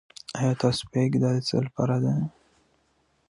جګړه د انسانانو ترمنځ یوازې د وېرې او ترهګرۍ سبب ګرځي.